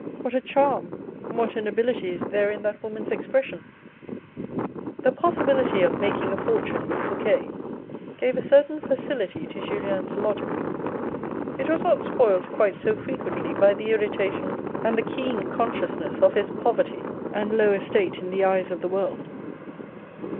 What a charm, what a nobility is there in that woman's expression ! The possibility of making a fortune with Fouque gave a certain facility to Julien's logic. It was not spoilt quite so frequently by the irritation and the keen consciousness of his poverty and low estate in the eyes of the world.